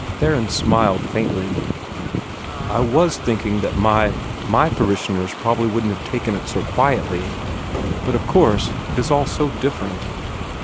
Theron smiled faintly. "I WAS thinking that my my parishioners wouldn't have taken it so quietly. But of course it is all so different!"